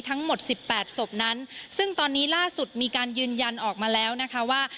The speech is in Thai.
ทั้งหมดสิบแปดศพนั้นซึ่งตอนนี้ล่าสุดมีการยืนยันออกมาแล้วนะคะว่า